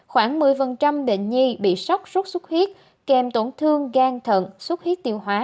khoảng một mươi bệnh nhi bị sốt sốt sốt huyết kèm tổn thương gan thận sốt huyết tiêu hóa